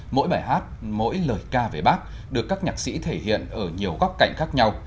mỗi bài hát mỗi lời ca về bác được các nhạc sĩ thể hiện ở nhiều góc cạnh khác nhau